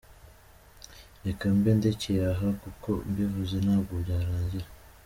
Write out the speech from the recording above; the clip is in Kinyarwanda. Reka mbe ndekeye aha kuko mbivuze ntabwo byarangira.